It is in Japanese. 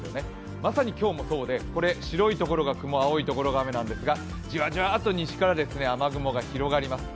まさに今日もそうで、白いところが雲、青いところが雨なんですが、じわじわっと西から雨雲が広がります。